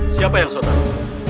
siapa yang sotau